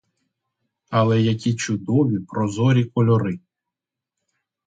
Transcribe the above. Але які чудові прозорі кольори!